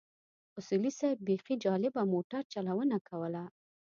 اصولي صیب بيخي جالبه موټر چلونه کوله.